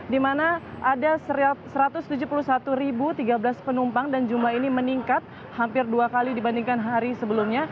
di mana ada satu ratus tujuh puluh satu tiga belas penumpang dan jumlah ini meningkat hampir dua kali dibandingkan hari sebelumnya